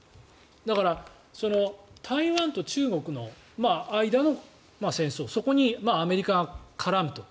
だから、台湾と中国の間の戦争そこにアメリカが絡むと。